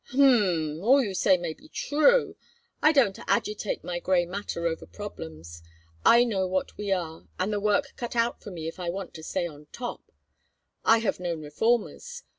"H m! All you say may be true. I don't agitate my gray matter over problems. I know what we are, and the work cut out for me if I want to stay on top. I have known reformers.